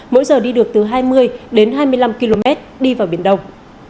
mỗi giờ đi được từ hai mươi đến hai mươi năm km đi vào biển đông